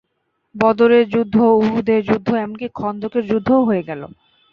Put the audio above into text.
বদরের যুদ্ধ, উহুদের যুদ্ধ এমনকি খন্দকের যুদ্ধও হয়ে গেল।